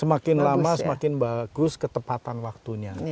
semakin lama semakin bagus ketepatan waktunya